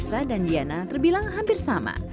selera raisa dan diana terbilang hampir sama